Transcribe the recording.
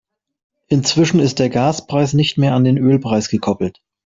Inzwischen ist der Gaspreis nicht mehr an den Ölpreis gekoppelt.